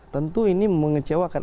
tentu ini mengecewakan